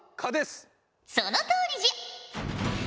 そのとおりじゃ。